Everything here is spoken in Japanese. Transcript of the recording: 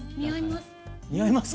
似合います。